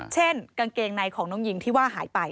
กางเกงในของน้องหญิงที่ว่าหายไป